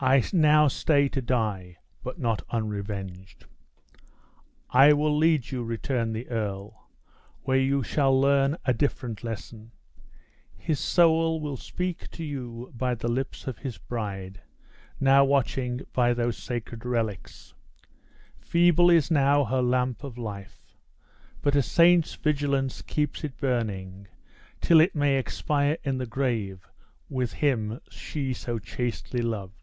I now stay to die but not unrevenged!" "I will lead you," returned the earl, "where you shall learn a different lesson. His soul will speak to you by the lips of his bride, now watching by those sacred relics. Feeble is now her lamp of life; but a saint's vigilance keeps it burning, till it may expire in the grave with him she so chastely loved."